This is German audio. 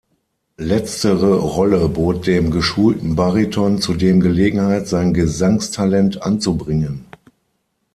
Letztere Rolle bot dem geschulten Bariton zudem Gelegenheit, sein Gesangstalent anzubringen.